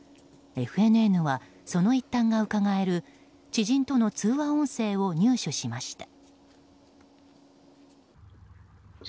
ＦＮＮはその一端がうかがえる知人との通話音声を入手しました。